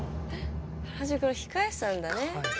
原宿の控え室なんだね。